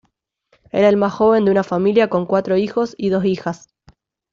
Era el más joven de una familia con cuatro hijos y dos hijas.